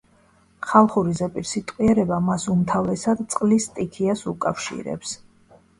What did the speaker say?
ხალხური ზეპირსიტყვიერება მას უმთავრესად წყლის სტიქიას უკავშირებს.